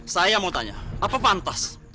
saya mau tanya apa pantas